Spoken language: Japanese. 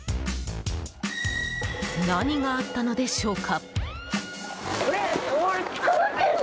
何があったのでしょうか。